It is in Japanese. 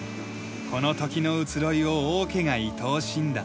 この時の移ろいを王家が愛おしんだ。